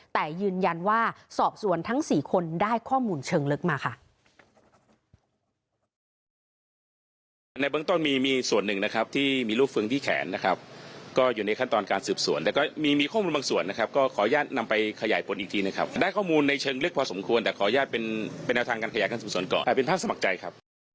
แต่ยืนยันว่าสอบสวนทั้ง๔คนได้ข้อมูลเชิงลึกมาค่ะ